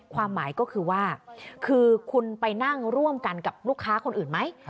ความหมายก็คือว่าคือคุณไปนั่งร่วมกันกับลูกค้าคนอื่นไหม